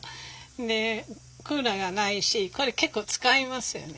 でクーラーがないしこれ結構使いますよね。